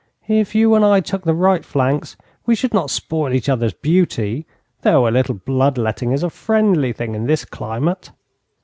If you and I took the right flanks we should not spoil each other's beauty though a little blood letting is a friendly thing in this climate.'